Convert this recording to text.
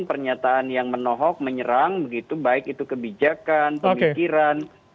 pernyataan yang menohok menyerang begitu baik itu kebijakan pemikiran